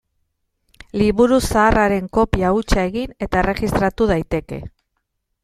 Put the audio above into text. Liburu zahar haren kopia hutsa egin eta erregistratu daiteke.